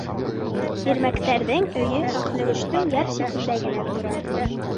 Ирмәктәрҙең өйө Аҡнөгөштөң яр ситендә генә тора.